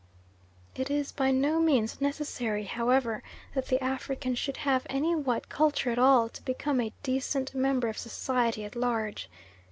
It is by no means necessary, however, that the African should have any white culture at all to become a decent member of society at large.